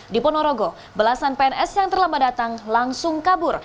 di ponorogo belasan pns yang terlambat datang langsung kabur